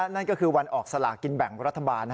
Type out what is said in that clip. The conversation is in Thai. นั่นก็คือวันออกสลากินแบ่งรัฐบาล